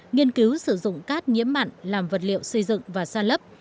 nghiên cứu sử dụng cát nhiễm mặn làm vật liệu xây dựng và san lấp